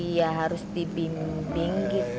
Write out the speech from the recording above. ya harus dibimbing gitu